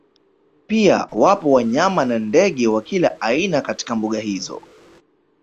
Pia wapo wanyama na ndege wa kila aina katika mbuga hizo